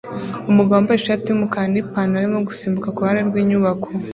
Umugabo wambaye ishati yumukara nipantaro arimo gusimbuka kuruhande rwinyubako